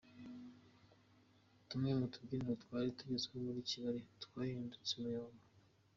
Tumwe mu tubyiniro twari tugenzweho muri Kigali twahindutse umuyonga